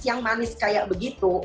yang manis kayak begitu